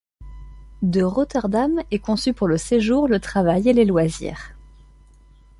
De Rotterdam est conçu pour le séjour, le travail et les loisirs.